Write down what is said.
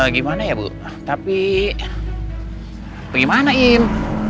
gimana ya bu tapi bagaimana im